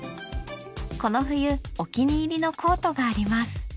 この冬お気に入りのコートがあります。